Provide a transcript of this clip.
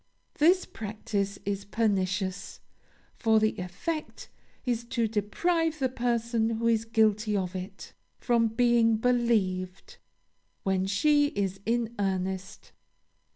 This practice is pernicious, for the effect is to deprive the person who is guilty of it, from being believed, when she is in earnest.